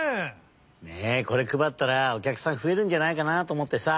ねえこれくばったらおきゃくさんふえるんじゃないかなとおもってさ。